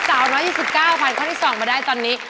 ทำให้น้องทัน๓๒๙๒๒มาได้ตอนนี้